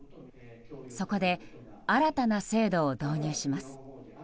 そこで新たな制度を導入します。